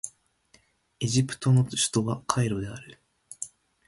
エジプトの首都はカイロである